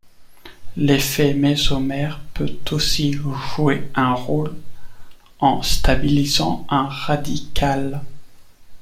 L'effet mésomère peut aussi jouer un rôle en stabilisant un radical.